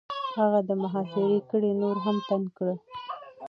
هغه د محاصرې کړۍ نوره هم تنګ کړه.